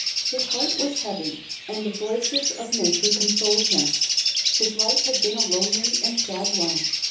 His heart was heavy, and the voices of Nature consoled him. His life had been a lonely and sad one.